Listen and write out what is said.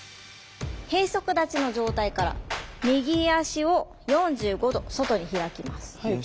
閉足立ちの状態から右足を４５度外に開きます。